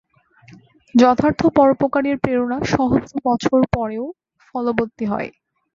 যথার্থ পরোপকারের প্রেরণা সহস্র বৎসর পরেও ফলবতী হয়।